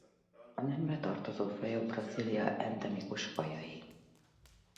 A nembe tartozó fajok Brazília endemikus fajai.